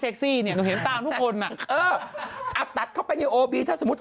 แอ็งจี้ถามตากล้องทุกคนสิรู้จักไหม